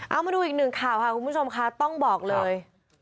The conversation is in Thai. เอามาดูอีกหนึ่งข่าวค่ะคุณผู้ชมค่ะต้องบอกเลย